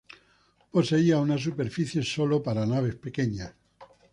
Poseía una superficie solo para naves pequeñas.